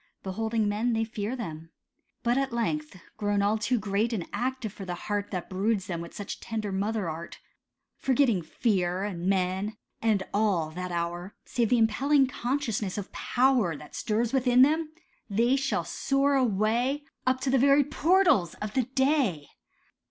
Beholding men, they fear them. But at length, Grown all too great and active for the heart That broods them with such tender mother art, Forgetting fear, and men, and all, that hour, Save the impelling consciousness of power That stirs within them—they shall soar away Up to the very portals of the Day.